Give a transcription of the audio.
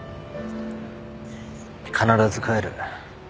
必ず帰る。